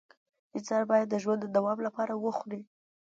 انسان باید د ژوند د دوام لپاره وخوري